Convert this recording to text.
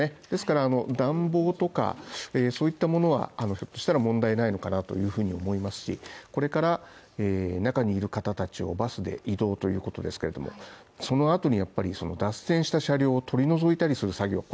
ですから暖房とかそういったものはひょっとしたら問題ないのかなというふうに思いますし、これから中にいる方たちをバスで移動ということですけれども、その後にやっぱりその脱線した車両を取り除いたりする作業